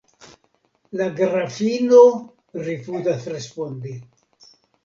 La Grafino rifuzas respondi.